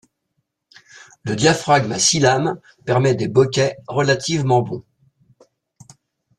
Le diaphragme à six lames permet des bokeh relativement bons.